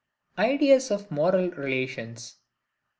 Ideas of Moral relations.